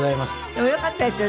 でもよかったですよ